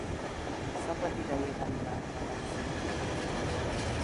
Szabadidejében imád vadászni.